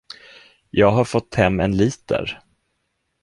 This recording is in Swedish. Jag har fått hem en liter.